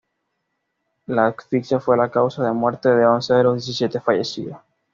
La asfixia fue la causa de muerte de once de los diecisiete fallecidos.